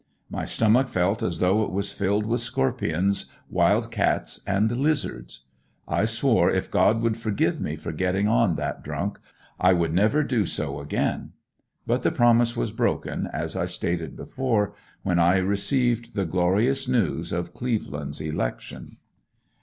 My stomach felt as though it was filled with scorpions, wild cats and lizards. I swore if God would forgive me for geting on that drunk I would never do so again. But the promise was broken, as I stated before, when I received the glorious news of Cleveland's election.